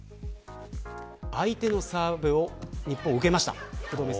相手のサーブを日本、受けました。